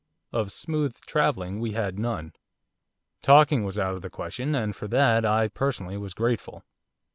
Of smooth travelling had we none. Talking was out of the question; and for that, I, personally, was grateful.